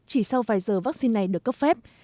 chỉ sau vài giờ vaccine này được cấp phép